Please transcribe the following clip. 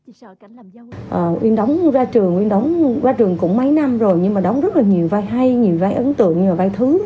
em đóng qua trường cũng mấy năm rồi nhưng mà đóng rất là nhiều vai hay nhiều vai ấn tượng nhiều vai thứ